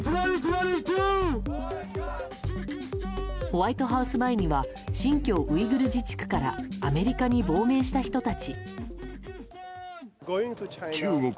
ホワイトハウス前には新疆ウイグル自治区からアメリカに亡命した人たち。